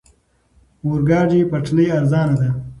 اورګاډي پټلۍ ارزانه ده.